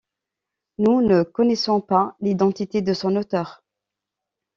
Nous ne connaissons pas l’identité de son auteur.